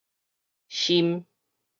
鑫